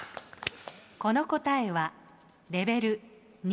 この答えはレベル２。